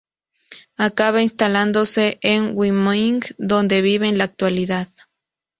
Acaba instalándose en Wyoming donde vive en la actualidad.